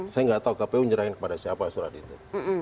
saya nggak tahu kpu menyerahkan kepada siapa surat itu